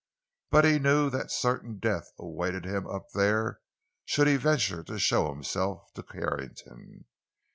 But he knew that certain death awaited him up there should he venture to show himself to Carrington.